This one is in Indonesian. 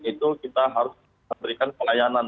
itu kita harus memberikan pelayanan